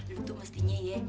lu tuh mestinya ye